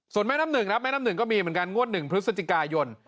ส่วนแม่น้ำหนึ่งครับแม่น้ำหนึ่งก็มีเหมือนกันงวด๑พฤศจิกายน